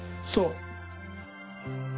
そう。